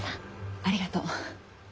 ありがとう。